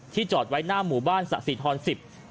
จอดไว้หน้าหมู่บ้านสะสิทร๑๐